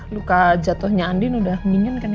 luka jatohnya andin udah mendingan kan ya